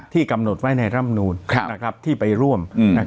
กำหนดไว้ในร่ำนูนที่ไปร่วม